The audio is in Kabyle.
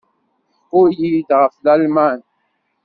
Ḥku-iyi-d ɣef Lalman.